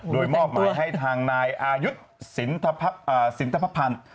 โดยมอบหมายให้ทางนายอายุทธ์สินทภพันธ์